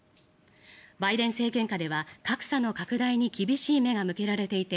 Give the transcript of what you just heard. バイデン政権下では格差の拡大に厳しい目が向けられていて